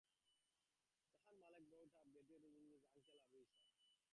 Jahan Malek was brought up and guarded by his uncle Abu Ishaq.